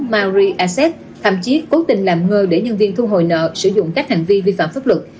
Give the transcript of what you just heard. maori asset thậm chí cố tình làm ngơ để nhân viên thu hồi nợ sử dụng các hành vi vi phạm pháp lực